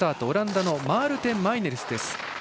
オランダのマールテン・マイネルスです。